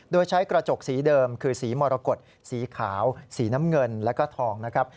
โดยใช้กระจกสีเดิมคือสีมรกฏสีขาวสีน้ำเงินแล้วก็ทองนะครับ